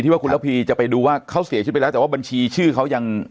ว่าคุณระพีจะไปดูว่าเขาเสียชีวิตไปแล้วแต่ว่าบัญชีชื่อเขายัง